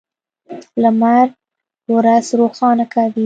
لمر ورځ روښانه کوي.